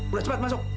udah cepet masuk